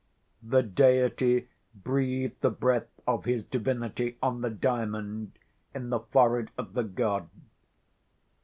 The deity breathed the breath of his divinity on the Diamond in the forehead of the god.